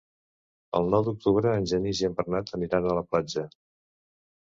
El nou d'octubre en Genís i en Bernat aniran a la platja.